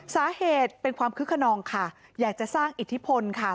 สาเหตุเป็นความคึกขนองค่ะอยากจะสร้างอิทธิพลค่ะ